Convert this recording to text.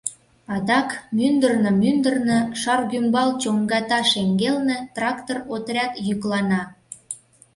Адак мӱндырнӧ-мӱндырнӧ, Шаргӱмбал чоҥгата шеҥгелне, трактор отряд йӱклана.